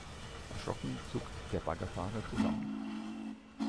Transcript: Erschrocken zuckt der Baggerfahrer zusammen.